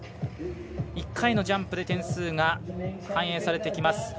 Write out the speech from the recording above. １回のジャンプで点数が反映されてきます